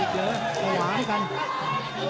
เจอหนักขนาดอีกเยอะ